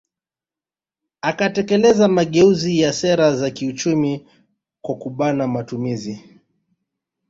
Akatekeleza mageuzi ya sera za kiuchumi kwa kubana matumizi